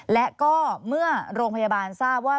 และก็เมื่อโรงพยาบาลทราบว่า